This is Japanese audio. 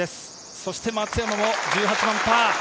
そして松山も１８番パー。